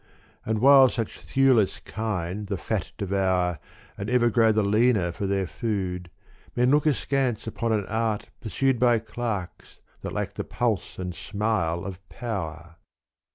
And while such thewless kine the fat devour And ever grow the leaner for their food Men look askance upon an art pursued By clerks that lack the pulse and smile of power.